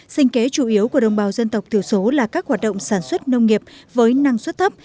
sinh kế chủ yếu của đồng bào dân tộc thiểu số là các hoạt động sản xuất nông nghiệp với năng suất thấp